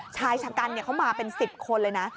ชายชะกันเขามาเป็น๑๐คนเลยนะ